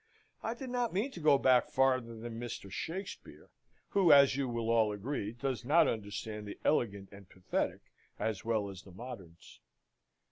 I did not mean to go back farther than Mr. Shakspeare, who, as you will all agree, does not understand the elegant and pathetic as well as the moderns.